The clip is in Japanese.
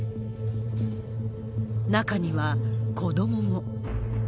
中には子どもも。